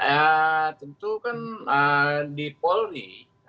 ya tentu kan di polri